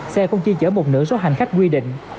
xe cũng chỉ chở một nửa số hành khách quy định